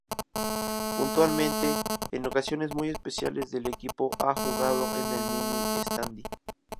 Puntualmente, en ocasiones muy especiales el equipo ha jugado en el Mini Estadi.